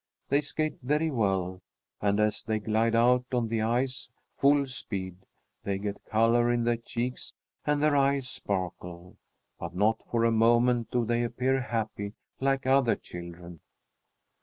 They skate very well, and as they glide out on the ice, full speed, they get color in their cheeks and their eyes sparkle, but not for a moment do they appear happy, like other children.